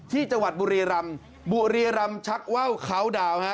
ที่จังหวัดบุรีรำบุรีรำชักว่าวเขาดาวฮะ